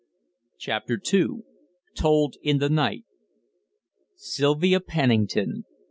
CHAPTER TWO TOLD IN THE NIGHT Sylvia Pennington!